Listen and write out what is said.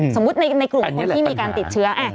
ในกลุ่มคนที่มีการติดเชื้อ